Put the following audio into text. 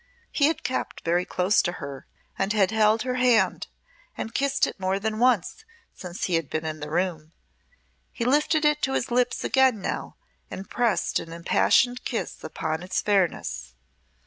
He had kept very close to her, and had held her hand, and kissed it more than once since he had been in the room. He lifted it to his lips again now, and pressed an impassioned kiss upon its fairness.